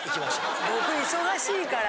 僕忙しいから。